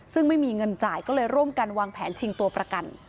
ซึ่งไม่มีเงินจ่ายก็เลยร่วมกันวางแผนชิงตัวประกัน